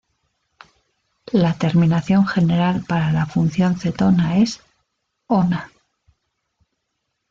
La terminación general para la función cetona es "-ona".